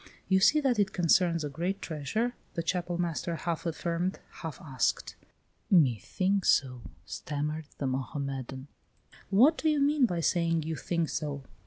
"You see that it concerns a great treasure?" the Chapel master half affirmed, half asked. "Me think so," stammered the Mohammedan. "What do you mean by saying you think so?